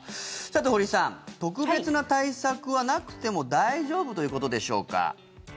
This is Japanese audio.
堀さん、特別な対策はなくても大丈夫ということでしょうか？